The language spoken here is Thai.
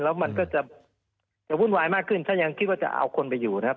แล้วมันก็จะวุ่นวายมากขึ้นถ้ายังคิดว่าจะเอาคนไปอยู่นะครับ